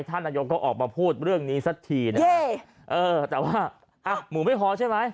ท่านนายก็ออกมาพูดเรื่องนี้สักทีเออแต่ว่าอัหมู่ไม่คอใช่มั้ย